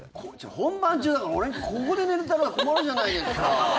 本番中だからここで寝られたら困るじゃないですか。